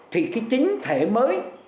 thì cái chính thể mới